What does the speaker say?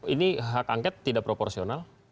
ini hak angket tidak proporsional